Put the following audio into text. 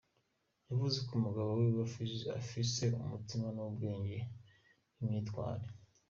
Yavuze ko umugabo wiwe afise “umutima n’ubwenge nk’ivyintwari”.